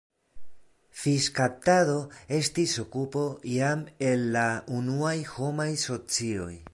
Fiŝkaptado estis okupo jam el la unuaj homaj socioj.